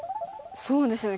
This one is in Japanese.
そうですね。